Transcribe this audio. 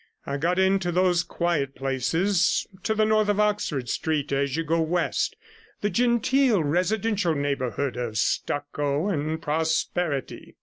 I got into those quiet places to the north of Oxford Street as you go west, the genteel residential neighbourhood of stucco and prosperity.